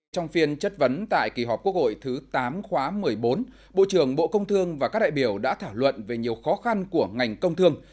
trong phiên chất vấn tại kỳ họp quốc hội thứ tám khóa một mươi bốn bộ trưởng bộ công thương và các đại biểu đã thảo luận về nhiều khó khăn của ngành công thương